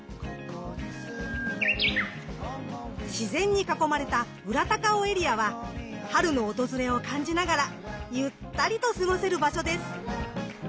自然に囲まれた裏高尾エリアは春の訪れを感じながらゆったりと過ごせる場所です。